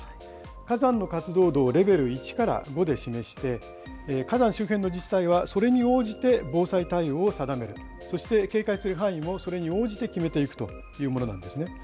火山の活動度をレベル１から５で示して、火山周辺の自治体は、それに応じて防災対応を定める、そして警戒する範囲をそれに応じて決めていくというものなんですね。